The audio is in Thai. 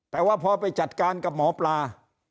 แต่ว่าพอไปจัดการกับหมอปลา